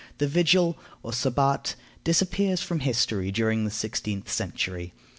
The vigil, or sabat, disappears from history during the sixteenth century.